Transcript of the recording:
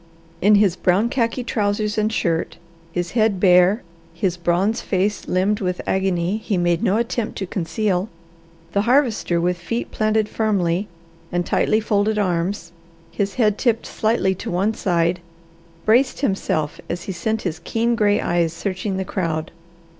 In his brown khaki trousers and shirt, his head bare, his bronze face limned with agony he made no attempt to conceal, the Harvester, with feet planted firmly, and tightly folded arms, his head tipped slightly to one side, braced himself as he sent his keen gray eyes searching the crowd.